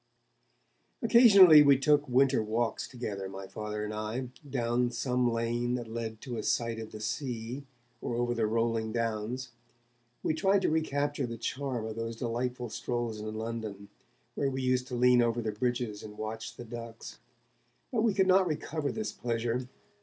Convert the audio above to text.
Occasionally we took winter walks together, my Father and I, down some lane that led to a sight of the sea, or over the rolling downs. We tried to recapture the charm of those delightful strolls in London, when we used to lean over the bridges and watch the ducks. But we could not recover this pleasure.